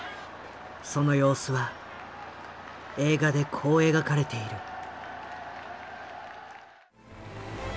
その様子は映画でこう描かれている。